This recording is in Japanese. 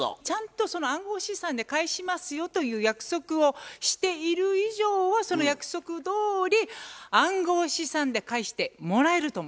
ちゃんとその暗号資産で返しますよという約束をしている以上はその約束どおり暗号資産で返してもらえると思います。